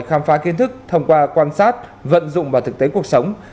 khám phá kiến thức thông qua quan sát vận dụng vào thực tế cuộc sống